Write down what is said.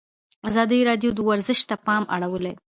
ازادي راډیو د ورزش ته پام اړولی.